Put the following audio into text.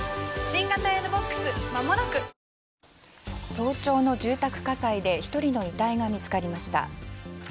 早朝の住宅火災で１人の遺体が見つかりました。